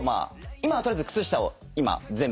今は取りあえず靴下を全部替えて。